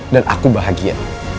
dan aku bahagia